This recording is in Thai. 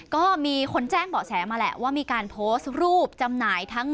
ก็มีคนแจ้งเบาะแสมาแหละว่ามีการโพสต์รูปจำหน่ายทั้ง